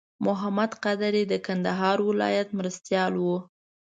محمد قادري د کندهار ولایت مرستیال و.